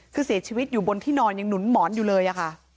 คือเสียชีวิตอยู่บนที่นอนยังหนุนหมอนอยู่เลยอะค่ะ